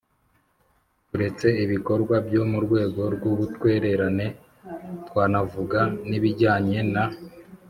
Turetse ibikorwa byo mu rwego rw ubutwererane twanavuga n ibijyanye na